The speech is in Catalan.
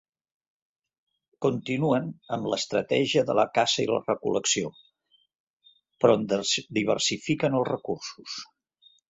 Continuen amb l'estratègia de la caça i recol·lecció, però en diversifiquen els recursos.